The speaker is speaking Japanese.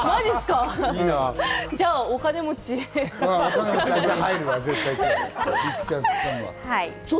じゃあ、お金持ち。